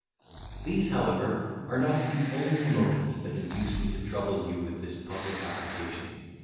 These, however, are not the only motives that induce me to trouble you with this public application.